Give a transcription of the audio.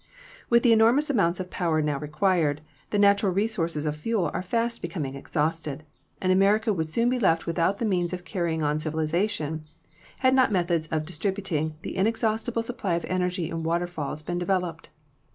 With the enormous amounts of power now required, the natural re sources of fuel are fast becoming exhausted, and America would soon be left without the means of carrying on civilization had not methods of distributing the inexhaus tible supply of energy in waterfalls been developed.